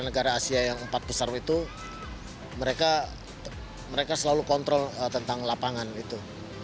negara asia yang empat besar itu mereka selalu kontrol tentang lapangan gitu